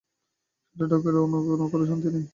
সেটা ডাকে রওনা না করে আমার শান্তি নেই।